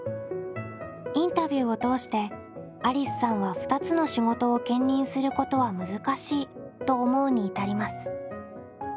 インタビューを通してありすさんは２つの仕事を兼任することは難しいと思うに至ります。